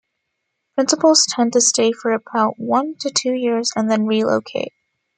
Principals tend to stay for about one to two years and then relocate.